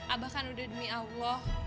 abah kan udah demi allah